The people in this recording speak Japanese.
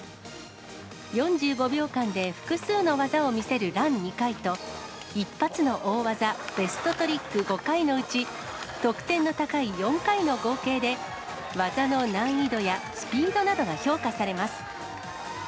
４５秒間で複数の技を見せるラン２回と、一発の大技、ベストトリック５回のうち、得点の高い４回の合計で、技の難易度やスピードなどが評価されます。